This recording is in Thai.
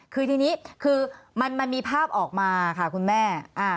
คือทีนี้คือมันมีภาพออกมาค่ะคุณแม่